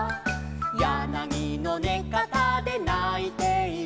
「やなぎのねかたでないている」